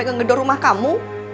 sampai ngegedor rumah kamu